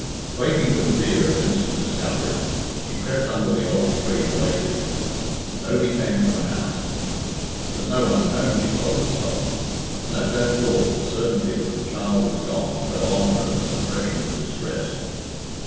Quaking with fear of instant discovery, she crept under the old tree and waited. Nobody came from the house. "There's no one at home," she told herself, and at that thought the certainty that the child was gone fell on her as an oppression of distress.